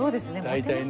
大体ね。